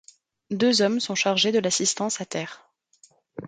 Deux hommes sont chargés de l'assistance à terre.